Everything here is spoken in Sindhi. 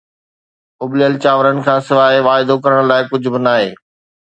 اُبليل چانورن کان سواءِ واعدو ڪرڻ لاءِ ڪجهه به ناهي